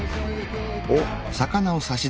おっ！